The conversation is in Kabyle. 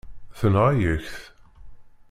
Tenɣa-yak-t.